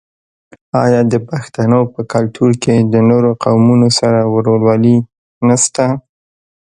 آیا د پښتنو په کلتور کې د نورو قومونو سره ورورولي نشته؟